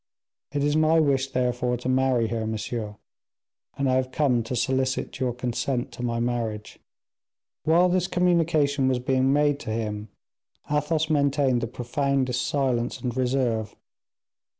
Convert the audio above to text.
It is my wish, therefore, to marry her, monsieur, and I have come to solicit your consent to my marriage." While this communication was being made to him, Athos maintained the profoundest silence and reserve.